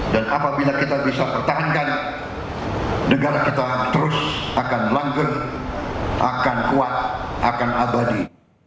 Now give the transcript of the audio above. dan apabila kita bisa pertahankan negara kita terus akan langgeng akan kuat akan abadi